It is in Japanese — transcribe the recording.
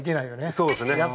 そうですね。